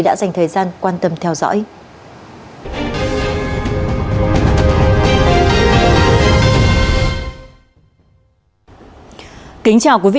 dành thời gian quan tâm theo dõi